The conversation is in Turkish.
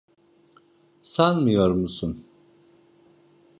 Sanmıyor musun?